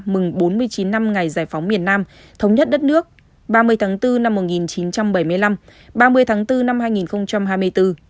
mừng bốn mươi chín năm ngày giải phóng miền nam thống nhất đất nước ba mươi tháng bốn năm một nghìn chín trăm bảy mươi năm ba mươi tháng bốn năm hai nghìn hai mươi bốn